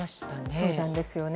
そうなんですよね。